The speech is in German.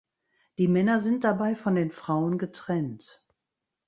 Die Männer sind dabei von den Frauen getrennt.